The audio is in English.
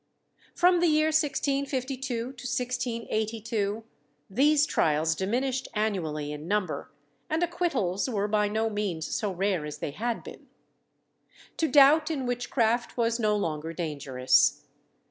From the year 1652 to 1682, these trials diminished annually in number, and acquittals were by no means so rare as they had been. To doubt in witchcraft was no longer dangerous.